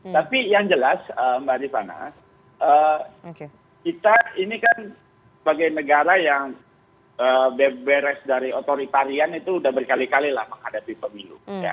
tapi yang jelas mbak rifana kita ini kan sebagai negara yang beres dari otoritarian itu sudah berkali kali lah menghadapi pemilu